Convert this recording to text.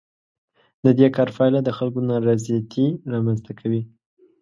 د دې کار پایله د خلکو نارضایتي رامنځ ته کوي.